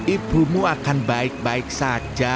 ibumu akan baik baik saja